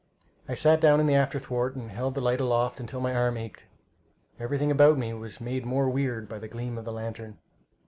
I sat down on the after thwart and held the light aloft till my arm ached. Everything about me was made more weird by the gleam of the lantern.